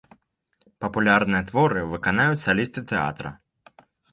Папулярныя творы выканаюць салісты тэатра.